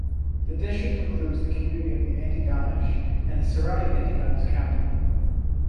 The district includes the community of Antigonish, and the surrounding Antigonish County.